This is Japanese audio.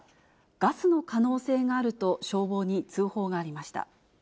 ガスの可能性があると消防に通報がありました。